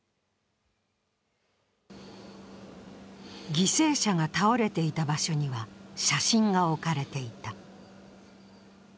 犠牲者が倒れていた場所には写真が置かれていた。